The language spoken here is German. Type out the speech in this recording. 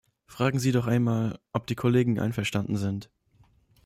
Fragen Sie doch einmal, ob die Kollegen einverstanden sind.